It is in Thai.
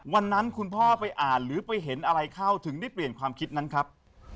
วันนั้นคุณพ่อไปอ่านหรือไปเห็นอะไรเข้าถึงได้เปลี่ยนความคิดนั้นครับ